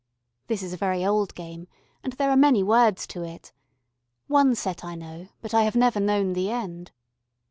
This is a very old game and there are many words to it. One set I know, but I never have known the end.